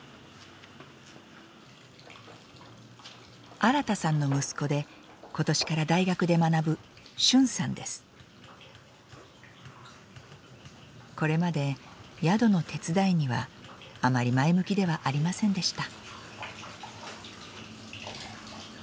新さんの息子で今年から大学で学ぶこれまで宿の手伝いにはあまり前向きではありませんでした。